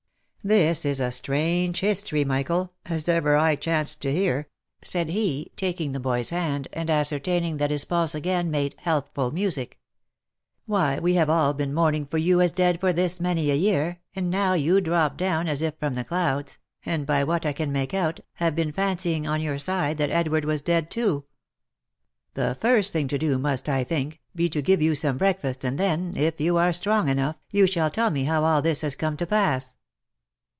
1 ' This is a strange history, Michael, as ever I chanced to hear," said he, taking the boy's hand, and ascertaining that his pulse again made * healthful music/ " Why we have all been mourning for you as dead for this many a year, and now you drop down, as if from the clouds, and by what I can make out, have been fancying on your side that Edward was dead too. The first thing to do, must, I think, be to give you some breakfast, and then, if you are strong enough, you shall tell me how all this has come to pass."